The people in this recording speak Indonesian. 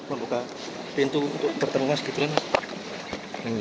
belum buka pintu untuk bertemu mas kiberen